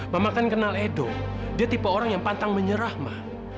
mama kan kenal edo dia tipe orang yang pantang menyerahma